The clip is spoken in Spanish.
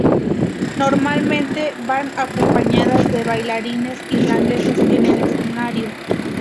Normalmente van acompañadas de bailarines irlandeses en el escenario.